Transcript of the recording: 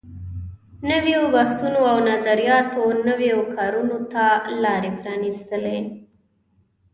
نويو بحثونو او نظریاتو نویو کارونو ته لارې پرانیستلې.